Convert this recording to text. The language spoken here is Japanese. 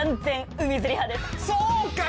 そうか！